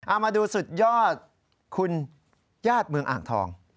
เอามาดูสุดยอดคุณญาติเมืองอ่างทอง